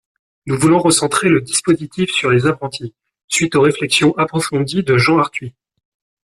Nous voulons recentrer le dispositif sur les apprentis, suite aux réflexions approfondies de Jean Arthuis.